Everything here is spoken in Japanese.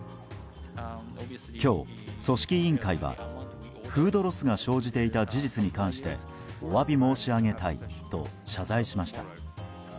今日、組織委員会はフードロスが生じていた事実に関してお詫び申し上げたいと謝罪しました。